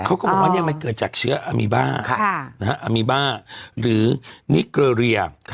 เขาก็บอกว่ามันเกิดจากเชื้ออามีบ้าอามีบ้าหรือนิเกอเรีย